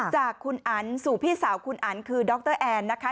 จากคุณอันสู่พี่สาวคุณอันคือดรแอนนะคะ